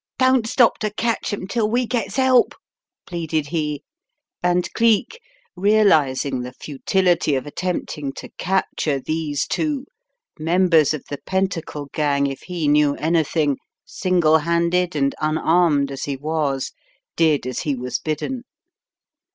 Don't stop to catch them till we gets help," pleaded he, and Cleek, realizing the futility of attempting to capture these two, members of the Pentacle Gang if he knew anything, single handed and unarmed as he was, did as he was bidden.